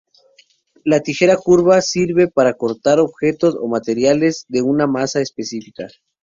La tijera curva sirve para cortar objetos o materiales de una masa específica.